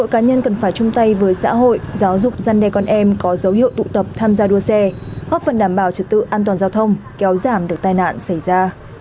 cá nhân cần phải chung tay với xã hội giáo dục gian đe con em có dấu hiệu tụ tập tham gia đua xe góp phần đảm bảo trật tự an toàn giao thông kéo giảm được tai nạn xảy ra